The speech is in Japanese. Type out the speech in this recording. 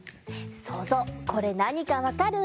そうぞうこれなにかわかる？